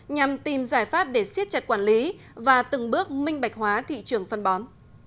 nhằm tìm giải pháp để siết chặt quản lý và từng bước minh bạch hóa thị trường phân bón